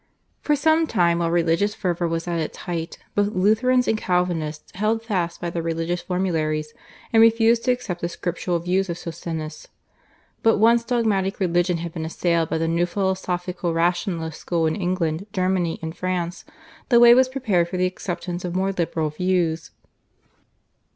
For some time while religious fervour was at its height both Lutherans and Calvinists held fast by their religious formularies and refused to accept the scriptural views of Socinus. But once dogmatic religion had been assailed by the new philosophico rationalist school in England, Germany, and France the way was prepared for the acceptance of more liberal views.